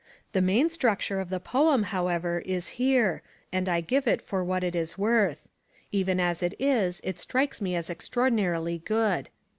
The main structure of the poem, however, is here and I give it for what it is worth. Even as it is it strikes me as extraordinarily good.